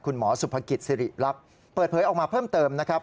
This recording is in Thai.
คุณหมอสุพกิจศิริรับเปิดเผยออกมาเพิ่มเติมนะครับ